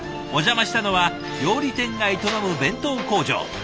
お邪魔したのは料理店が営む弁当工場。